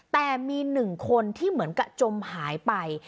แต่มี๑คนที่เหมือนกับจมหายไป